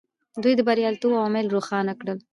دوی د بریالیتوب عوامل روښانه کړل.